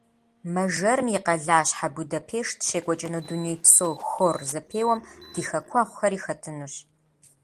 Мэжэрым и къэлащхьэ Будапешт щекӏуэкӏыну дунейпсо хор зэпеуэм ди хэкуэгъухэри хэтынущ.